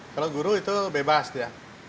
kalau guru itu bebas dia